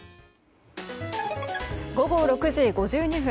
午後６時５２分。